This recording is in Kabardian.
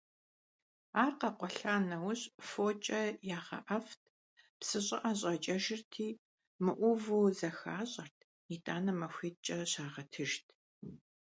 Ар къэкъуэлъа нэужь фокIэ ягъэIэфIт, псы щIыIэ щIакIэжырти, мыIуву зэхащIэрт, итIанэ махуитIкIэ щагъэтыжт.